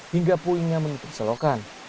hingga puingnya menutup selokan